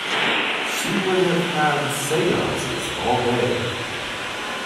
She would have had seances all day.